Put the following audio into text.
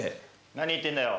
何言ってんだよ。